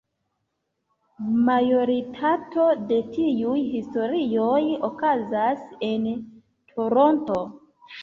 Majoritato de tiuj historioj okazas en Toronto.